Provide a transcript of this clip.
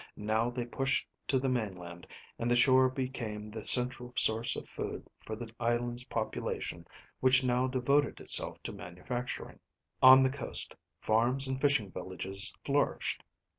Now they pushed to the mainland, and the shore became the central source of food for the island's population which now devoted itself to manufacturing. On the coast, farms and fishing villages flourished.